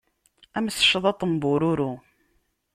Am tecḍaḍt n bururu.